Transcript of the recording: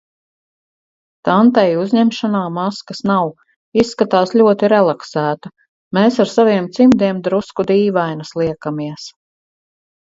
Tantei uzņemšanā maskas nav, izskatās ļoti relaksēta, mēs ar saviem cimdiem drusku dīvainas liekamies.